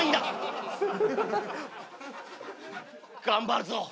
頑張るぞ。